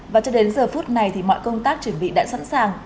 và cho đến giờ phút này thì mọi công tác chuẩn bị đã sẵn sàng